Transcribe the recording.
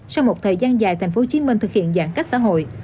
sau một thời gian dài thành phố hồ chí minh thực hiện giãn cách xã hội